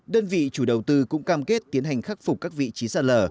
đơn vị chủ đầu tư cũng cam kết tiến hành khắc phục các vị trí sạt lở